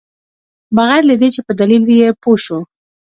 بغیر له دې چې په دلیل یې پوه شوو.